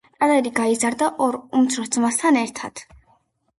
ტალერი გაიზარდა ორ უმცროს ძმასთან ერთად.